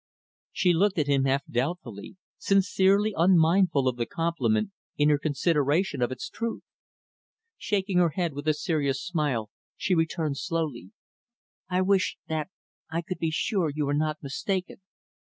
She looked at him half doubtfully sincerely unmindful of the compliment, in her consideration of its truth. Shaking her head, with a serious smile, she returned slowly, "I wish that I could be sure you are not mistaken."